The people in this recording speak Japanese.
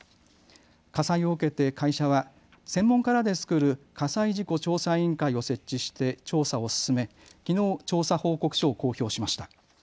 火災を受けて会社は専門家らで作る火災事故調査委員会を設置して調査を進め、きのう調査報告書を公表しました。